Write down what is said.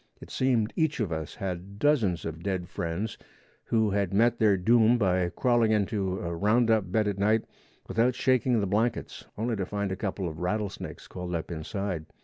It seemed each of us had dozens of dead friends who had met their doom by crawling into a roundup bed at night without shaking the blankets only to find a couple of rattle snakes coiled up inside.